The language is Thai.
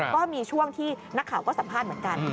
ก็มีช่วงที่นักข่าวก็สัมภาษณ์เหมือนกัน